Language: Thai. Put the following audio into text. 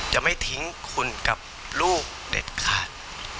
จะไม่ทิ้งคุณกับลูกเด็ดขาด